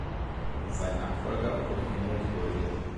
Sein Nachfolger wurde Henrik Rödl.